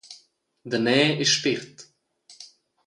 Daner e spért.